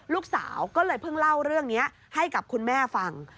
ลูกสาวก็เลยเพิ่งเล่าเรื่องนี้ให้กับคุณแม่ฟัง